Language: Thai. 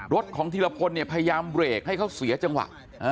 รถของธีรพลเนี่ยพยายามเบรกให้เขาเสียจังหวะ